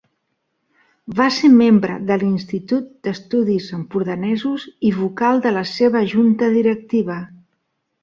Va ser membre de l'Institut d'Estudis Empordanesos i vocal de la seva Junta Directiva.